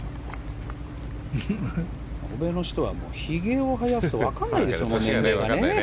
欧米の人はひげをはやすと分からないですよね。